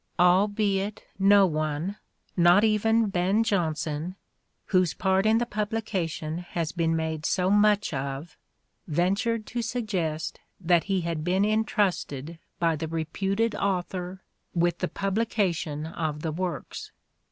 Albeit no one, not even Ben Jonson, whose part in the publication has been made so much of, ventured to suggest that he had been entrusted by the reputed author with the publication of the works.